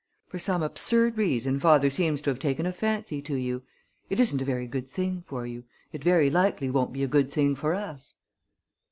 For some absurd reason father seems to have taken a fancy to you. It isn't a very good thing for you. It very likely won't be a good thing for us."